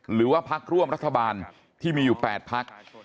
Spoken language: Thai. หรือว่าภักดิ์ร่วมรัฐบาลที่มีอยู่แปดภักดิ์